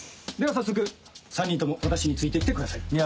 では早速３人とも私について来てください。